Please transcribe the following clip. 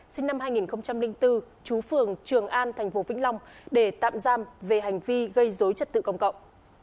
sinh năm hai nghìn bốn chú phường trường an thành phố vĩnh long để tạm giam về hành vi gây dối chất tự công cộng